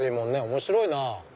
面白いな。